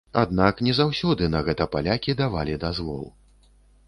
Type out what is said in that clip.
Аднак не заўсёды на гэта палякі давалі дазвол.